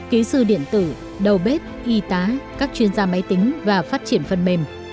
kỹ sư điện tử đầu bếp y tá các chuyên gia máy tính và phát triển phần mềm